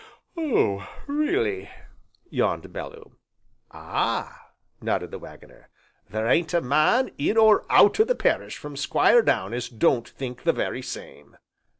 "Oh, really?" yawned Bellew. "Ah!" nodded the Waggoner, "there ain't a man, in or out o' the parish, from Squire down, as don't think the very same."